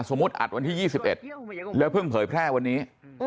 อัดวันที่๒๑แล้วเพิ่งเผยแพร่วันนี้